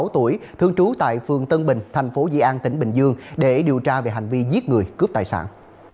hai mươi sáu tuổi thương trú tại phường tân bình thành phố di an tỉnh bình dương để điều tra về hành vi giết người cướp tài sản